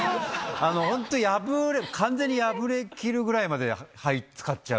本当、破れる、完全に破れきるぐらいまで使っちゃう。